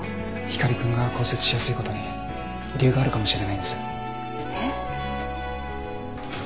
光君が骨折しやすいことに理由があるかもしれないんです。